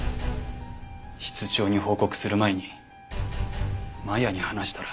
室長に報告する前に摩耶に話したら。